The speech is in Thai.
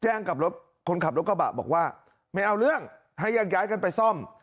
กับรถคนขับรถกระบะบอกว่าไม่เอาเรื่องให้แยกย้ายกันไปซ่อม